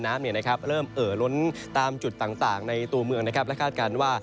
น้ำเนี่ยนะครับเริ่มเอาล้นตามจุดตั้งในตัวเมืองนะครับและธาตุการณ์ว่า